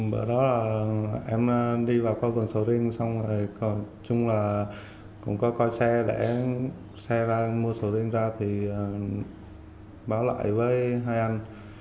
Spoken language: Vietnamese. bữa đó em đi vào khu vực sầu riêng xong rồi chung là cũng có coi xe để xe ra mua sầu riêng ra thì báo lại với hai anh